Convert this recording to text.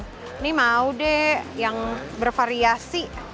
ini mau deh yang bervariasi